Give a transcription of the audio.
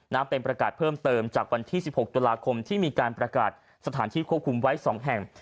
เป็นประกาศเพิ่มเติมจากวันที่๑๖ตุลาคมที่มีการประกาศสถานที่ควบคุมไว้๒แห่ง